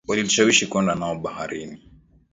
Walitushawishi kwenda nao baharini